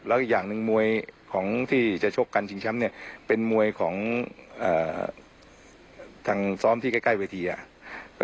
แล้วอีกอย่างหนึ่งมวยของที่จะชกกันชิงแชมป์เนี่ยเป็นมวยของทางซ้อมที่ใกล้เวทีอ่ะ